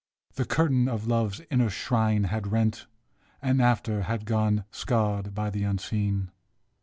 The curtain of Love's inner shrine had rent. And after had gone scarred by the Unseen.